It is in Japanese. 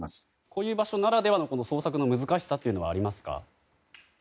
こういう場所ならではの捜索の難しさはありますか。